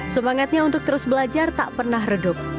semangatnya untuk terus belajar tak pernah redup